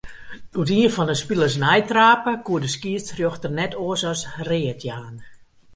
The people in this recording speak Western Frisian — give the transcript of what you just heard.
Doe't ien fan 'e spilers neitrape, koe de skiedsrjochter net oars as read jaan.